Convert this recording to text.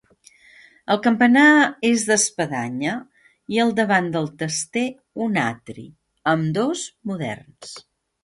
El campanar és d'espadanya i al davant del tester un atri, ambdós moderns.